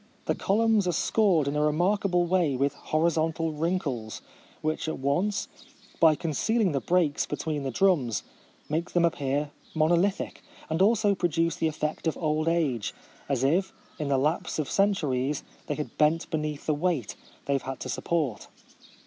The columns are scored in a remarkable way with horizontal wrinkles, which at once, by con cealing the breaks between the drums, make them appear mono lithic, and also produce the effect of old age, as if, in the lapse of centuries, they had bent beneath the weight they have had to sup port.